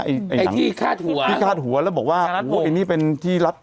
ไอ้ไอ้ที่คาดหัวที่คาดหัวแล้วบอกว่าโอ้โหไอ้นี่เป็นที่รัด